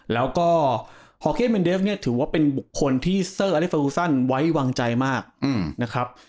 แล้วก็เนี้ยถือว่าเป็นคนที่ไว้วางใจมากอืมนะครับ